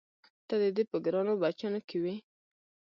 ته د دې په ګرانو بچیانو کې وې؟